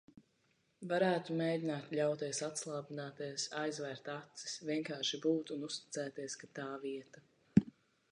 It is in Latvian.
Varētu mēģināt ļauties atslābināties, aizvērt acis, vienkārši būt un uzticēties, ka tā vieta.